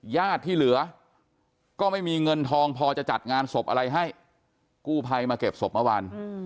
ญาติที่เหลือก็ไม่มีเงินทองพอจะจัดงานศพอะไรให้กู้ภัยมาเก็บศพเมื่อวาน